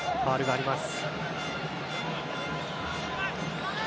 ファウルがあります。